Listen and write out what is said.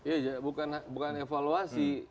iya bukan evaluasi